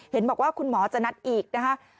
เห็นบอกว่าคุณหมอจะนัดอีกนะคะ